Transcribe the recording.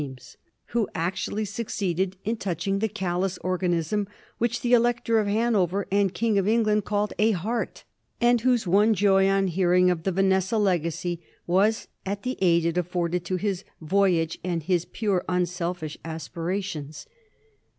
BERKELEY'S ASPIRATIONS 295 who actually succeeded in touching the calTous organism which the Elector of Hanover and King of England called a heart; and whose one joy on hearing of the Vanessa legacy was at the aid it afforded to his voyage and his pure, unselfish aspirations.